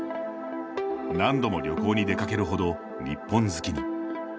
何度も旅行に出かけるほど日本好きに。